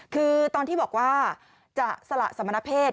คือตอนที่บอกว่าจะสละสมณเพศ